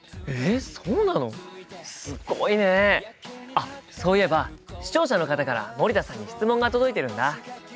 あっそういえば視聴者の方から森田さんに質問が届いてるんだ。